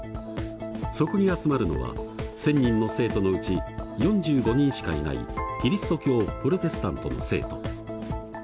そこに集まるのは１，０００人の生徒のうち４５人しかいないキリスト教プロテスタントの生徒。